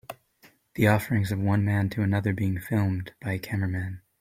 The offerings of one man to another being filmed by a cameraman.